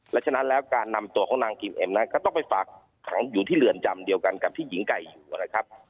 และฉะนั้นแล้วการนำตัวของนางกิมเอ็มนั้นก็ต้องไปฝากขังอยู่ที่เรือนจำเดียวกันกับที่หญิงไก่อยู่นะครับ